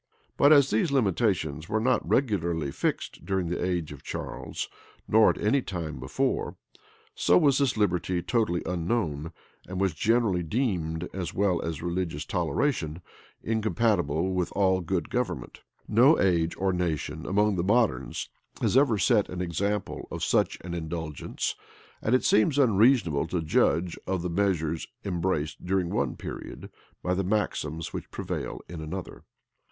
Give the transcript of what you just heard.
But as these limitations were not regularly fixed during the age of Charles, nor at any time before, so was this liberty totally unknown, and was generally deemed, as well as religious toleration, incompatible with all good government. No age or nation among the moderns had ever set an example of such an indulgence; and it seems unreasonable to judge of the measures embraced during one period by the maxims which prevail in another.